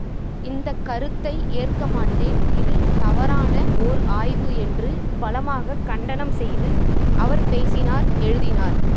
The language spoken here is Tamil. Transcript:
இந்தக் கருத்தை ஏற்கமாட்டேன் இது தவறான ஓர் ஆய்வு என்று பலமாகக் கண்டனம் செய்து அவர் பேசினார் எழுதினார்!